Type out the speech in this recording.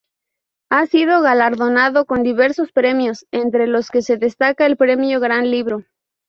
Ha sido galardonado con diversos premios, entre los que destaca el Premio Gran Libro.